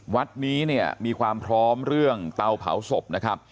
วัดนี้เนี่ยมีความพร้อมเรื่องเตาเผาศพนะครับ